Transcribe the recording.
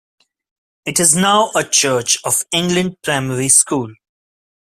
It is now a Church of England Primary School.